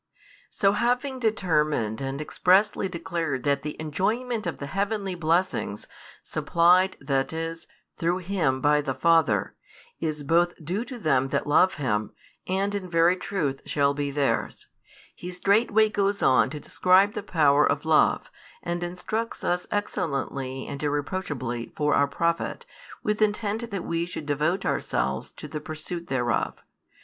So having determined and expressly declared that the enjoyment of the heavenly blessings, supplied, that is, through Him by the Father, is both due to them that love Him, and in very truth shall be theirs; He straightway goes on to describe the power of love, and instructs us excellently and irreproachably, for our profit, with intent that we should devote ourselves to |299 the pursuit thereof.